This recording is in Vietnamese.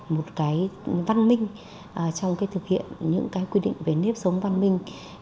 một cái văn minh trong cái thực hiện những cái quy định về nếp sống văn minh